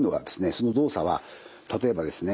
その動作は例えばですね